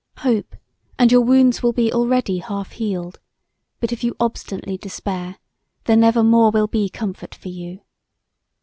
Hope, and your wounds will be already half healed: but if you obstinately despair, there never more will be comfort for you.